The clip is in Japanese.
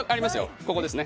ここですね。